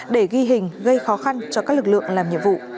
để ghi hình gây khó khăn cho các lực lượng làm nhiệm vụ